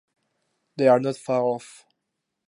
They are not far off.